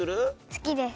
好きです。